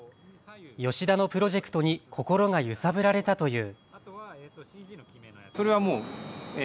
吉田のプロジェクトに心が揺さぶられたという。